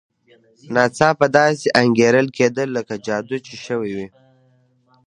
ناڅاپه داسې انګېرل کېده لکه جادو چې شوی وي.